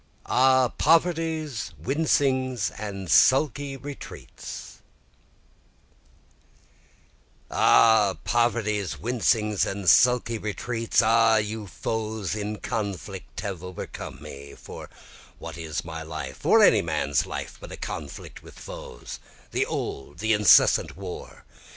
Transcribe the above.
Ah Poverties, Wincings, and Sulky Retreats Ah poverties, wincings, and sulky retreats, Ah you foes that in conflict have overcome me, (For what is my life or any man's life but a conflict with foes, the old, the incessant war?)